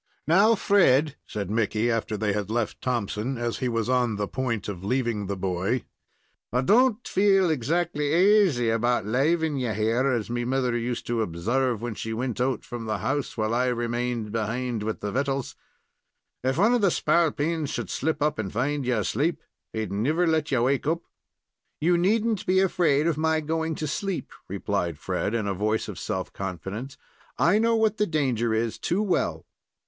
"Now, Fred," said Mickey, after they had left Thompson, as he was on the point of leaving the boy, "I don't feel exactly aisy 'bout laving you here, as me mother used to observe when she wint out from the house, while I remained behind with the vittles. If one of the spalpeens should slip up and find you asleep, he'd never let you wake up." "You need n't be afraid of my going to sleep," replied Fred, in a voice of self confidence. "I know what the danger is too well."